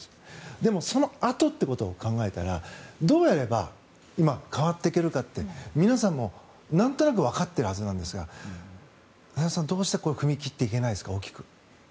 でも、そのあとということを考えたらどうやればうまく変わっていけるかって皆さんも、なんとなくわかっているはずなんですが皆さん、どうして大きく踏み切っていけないですか？